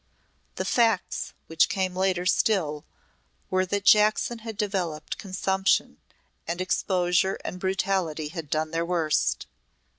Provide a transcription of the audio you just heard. The facts which came later still were that Jackson had developed consumption, and exposure and brutality had done their worst.